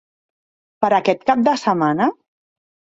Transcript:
Per aquest cap de setmana?